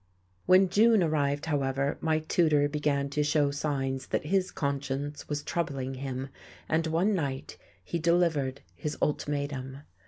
When June arrived, however, my tutor began to show signs that his conscience was troubling him, and one night he delivered his ultimatum.